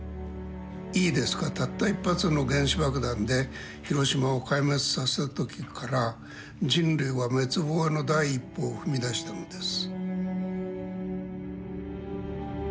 「いいですかたった一発の原子爆弾で広島を壊滅させたときから人類は滅亡の第一歩を踏み出したのです」。